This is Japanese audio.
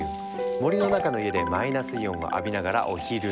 森の中の家でマイナスイオンを浴びながらお昼寝。